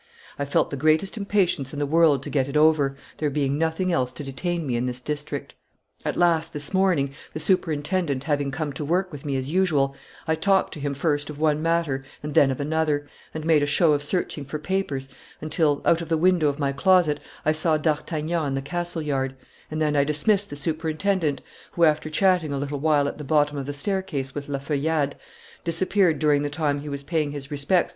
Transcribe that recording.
I felt the greatest impatience in the world to get it over, there being nothing else to detain me in this district. [Illustration: Louis XIV. dismissing Fouquet 407] At last, this morning, the superintendent having come to work with me as usual, I talked to him first of one matter and then of another, and made a show of searching for papers, until, out of the window of my closet, I saw D'Artagnan in the castle yard; and then I dismissed the superintendent, who, after chatting a little while at the bottom of the staircase with La Feuillade, disappeared during the time he was paying his respects to M.